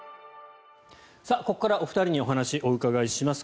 ここからはお二人にお話をお伺いします。